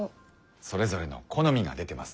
それぞれの好みが出てますね。